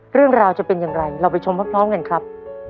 เรื่องราวจะเป็นอย่างไรเราไปชมพร้อมกันครับ